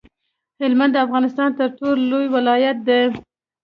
هلمند د افغانستان تر ټولو لوی ولایت دی